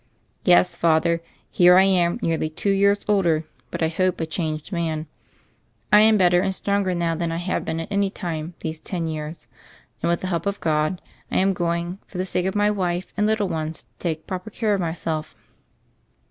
"Yes, Father, here I am nearly two years older, but I hope a changed man. I am better and stronger now than I have been any time these ten years, and with the help of God I am going, for the sake of my wife and little ones, to take proper care of myself."